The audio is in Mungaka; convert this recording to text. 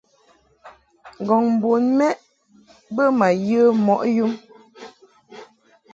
Ngɔŋ bun mɛʼ bə ma ye mɔʼ yum.